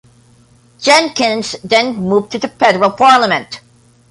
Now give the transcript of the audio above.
Jenkins then moved to the Federal Parliament.